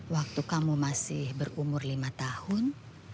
waktu kamu masih berumur lima tahun